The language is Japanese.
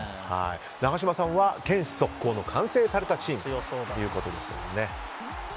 永島さんは堅守速攻の完成されたチームということですが。